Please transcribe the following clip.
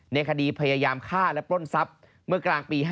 ในคดีพยายามฆ่าและปล้นทรัพย์เมื่อกลางปี๕๗